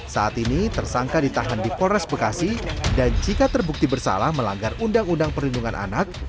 saat ini tersangka ditahan di polres bekasi dan jika terbukti bersalah melanggar undang undang perlindungan anak